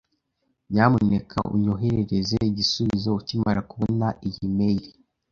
Nyamuneka onyoherereza igisubizo ukimara kubona iyi mail.